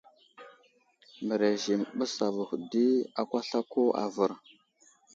Mərez i məɓəs avuhw di akwaslako avər.